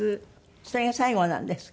それが最後なんですか？